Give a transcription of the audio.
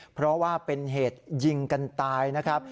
เพราะว่าเป็นเหตุยิงกันตายนะครับ